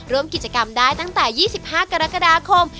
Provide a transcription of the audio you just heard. ร่วมกิจกรรมได้ตั้งแต่๒๕กรกฎาคม